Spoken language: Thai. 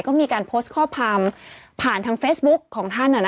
ก็มีการโพสต์ข้อความผ่านทางเฟซบุ๊คของท่าน